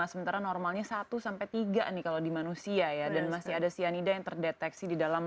sementara normalnya satu sampai tiga nih kalau di manusia ya dan masih ada cyanida yang terdeteksi di dalam